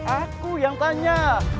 aku yang tanya